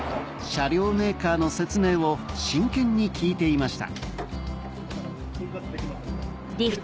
車両メーカーの説明を真剣に聞いていました